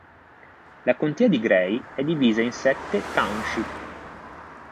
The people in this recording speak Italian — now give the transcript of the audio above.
La contea di Gray è divisa in sette township.